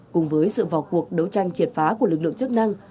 cùng với sự vào cuộc đấu tranh triệt phá của lực lượng chức năng